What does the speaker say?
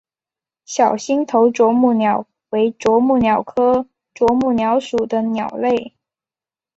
小星头啄木鸟为啄木鸟科啄木鸟属的鸟类。